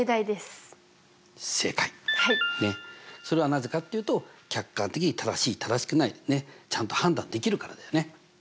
それはなぜかっていうと客観的に正しい正しくないちゃんと判断できるからだよね。